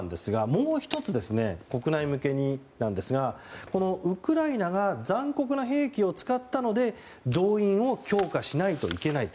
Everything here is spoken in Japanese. もう１つ、国内向けになんですがウクライナが残酷な兵器を使ったので動員を強化しないといけない。